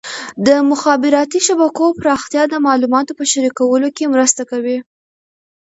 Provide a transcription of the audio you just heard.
د مخابراتي شبکو پراختیا د معلوماتو په شریکولو کې مرسته کوي.